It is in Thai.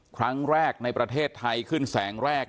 ครั้งแรกในประเทศไทยขึ้นแสงแรก